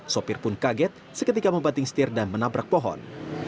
sopir pun kaget seketika membanting setir dan menabrak pohon